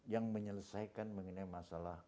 yang menyelesaikan mengenai masalah